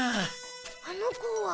あの子は。